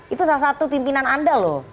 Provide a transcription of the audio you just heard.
itu salah satu pimpinan anda loh